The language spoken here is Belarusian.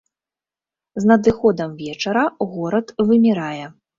З надыходам вечара горад вымірае.